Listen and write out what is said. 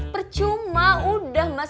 percuma udah mas